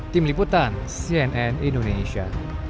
tim liputan cnn indonesia